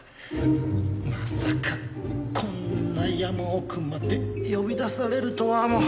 まさかこんな山奥まで呼び出されるとはもう。